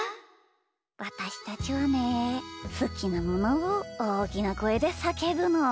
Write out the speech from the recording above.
わたしたちはねすきなものをおおきなこえでさけぶの。